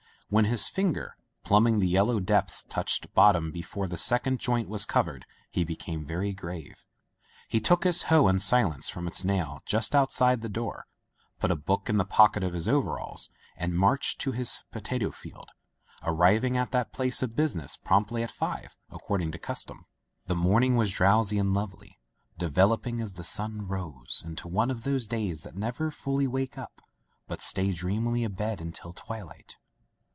When his finger, plumbing the yellow depths touched bottom before the second joint was covered he became very grave. He took his hoe in silence from its nail just outside the door, put a book in the pocket of his overalls, and marched to his potato field, arriving at that place of business promptly at five, ac cording to custom. Digitized by LjOOQ IC Son of the Woods The morning was drowsy and lovely, de veloping, as the sun rose, into one of those days that never fully wake up, but stay dreamily abed until twilight.